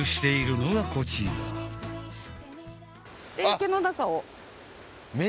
池の中を。